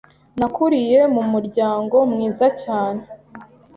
Nakuriye mu muryango mwiza cyane